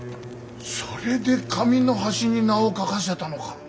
それで紙の端に名を書かせたのか。